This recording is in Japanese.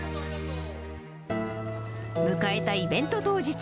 迎えたイベント当日。